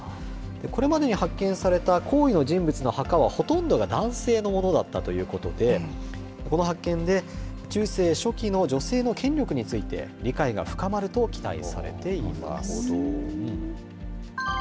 これまでに発見された高位の人物の墓はほとんどが男性のものだったということで、この発見で、中世初期の女性の権力について理解が深まると期待されています。